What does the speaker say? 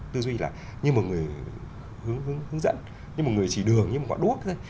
tư duy là như một người hướng dẫn như một người chỉ đường như một quả đuốc thôi